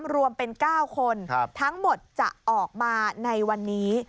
รวมเป็น๙คนทั้งหมดจะออกมาในวันนี้